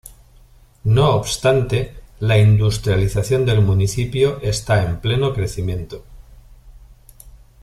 No obstante, la industrialización del municipio está en pleno crecimiento.